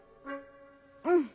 うん。